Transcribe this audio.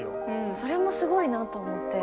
それもすごいなと思って。